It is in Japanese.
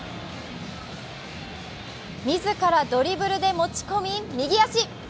自らドリブルで持ち込み、右足。